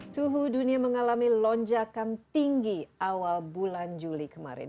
suhu dunia mengalami lonjakan tinggi awal bulan juli kemarin